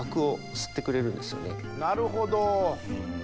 なるほど。